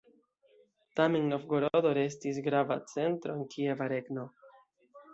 Tamen Novgorodo restis grava centro en Kieva regno.